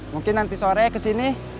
mungkin nanti sore kesini